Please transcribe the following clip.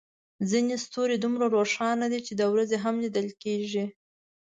ځینې ستوري دومره روښانه دي چې د ورځې هم لیدل کېږي.